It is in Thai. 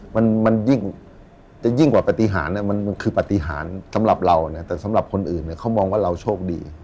มันมันจะยิ่งกว่าปฏิหารมันคือปฏิหารสำหรับเรานะแต่สำหรับคนอื่นเนี่ยเขามองว่าเราโชคดี